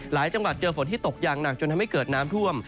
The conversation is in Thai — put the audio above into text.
จังหวัดเจอฝนที่ตกอย่างหนักจนทำให้เกิดน้ำท่วม